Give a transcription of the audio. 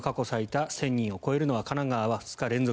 １０００人を超えるのは神奈川は２日連続。